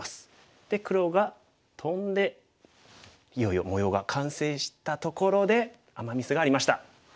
で黒がトンでいよいよ模様が完成したところでアマ・ミスがありました。